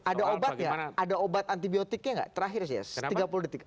ada obat ya ada obat antibiotiknya nggak terakhir sih ya tiga puluh detik